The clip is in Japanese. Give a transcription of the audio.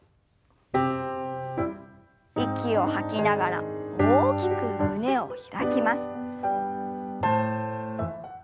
息を吐きながら大きく胸を開きます。